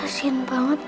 precis zijn ga yang bunuh